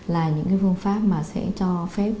là những phương pháp mà sẽ cho phép